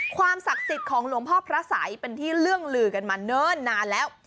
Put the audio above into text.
ความศักดิ์สิทธิ์ของหลวงพ่อพระสัยเป็นที่เรื่องลือกันมาเนิ่นนานแล้ว